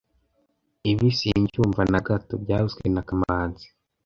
Ibi simbyumva na gato byavuzwe na kamanzi